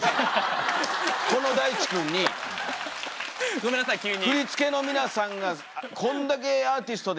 ごめんなさい急に。